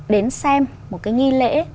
đến xem một cái nghi lễ